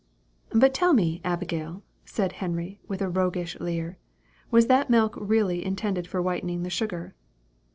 "But tell me, Abigail," said Henry, with a roguish leer, "was that milk really intended for whitening the sugar?"